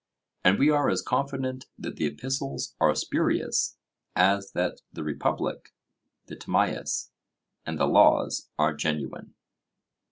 And we are as confident that the Epistles are spurious, as that the Republic, the Timaeus, and the Laws are genuine.